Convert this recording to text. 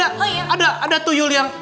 ada ada ada tuyul yang